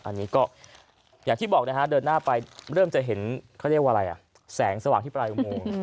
อันนี้ก็อย่างที่บอกนะฮะเดินหน้าไปเริ่มจะเห็นแสงสว่างที่ประลังอุโมงค์